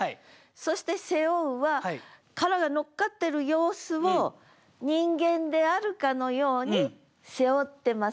そして「背負う」は殻がのっかってる様子を人間であるかのように背負ってますよって。